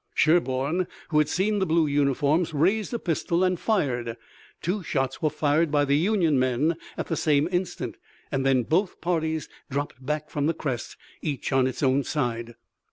Sherburne, who had seen the blue uniforms, raised a pistol and fired. Two shots were fired by the Union men at the same instant, and then both parties dropped back from the crest, each on its own side.